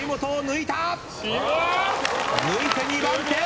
抜いて２番手。